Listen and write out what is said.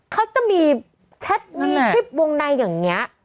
เขาจะมีแชทมีคลิปวงในอย่างนี้